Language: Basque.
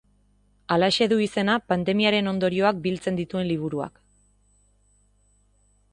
Halaxe du izena pandemiaren ondorioak biltzen dituen liburuak.